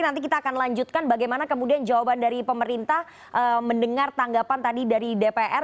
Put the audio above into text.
nanti kita akan lanjutkan bagaimana kemudian jawaban dari pemerintah mendengar tanggapan tadi dari dpr